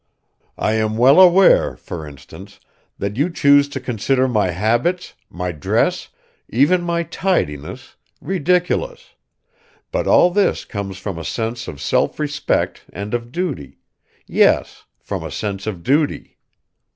I am well aware, for instance, that you choose to consider my habits, my dress, even my tidiness, ridiculous; but all this comes from a sense of self respect and of duty yes, from a sense of duty.